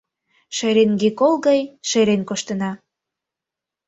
Шеренге кол гай шерен коштына